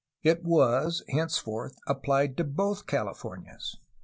It was henceforth applied to both Californias.